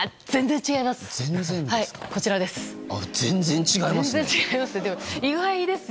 こちらです。